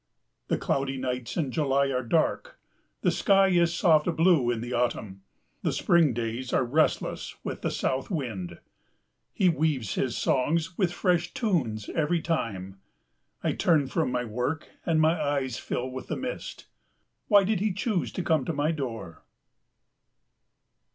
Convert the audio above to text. The cloudy nights in July are dark; the sky is soft blue in the autumn; the spring days are restless with the south wind. He weaves his songs with fresh tunes every time. I turn from my work and my eyes fill with the mist. Why did he choose to come to my door?